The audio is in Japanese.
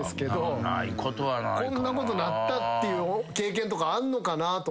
こんなことなったっていう経験とかあんのかなと思って。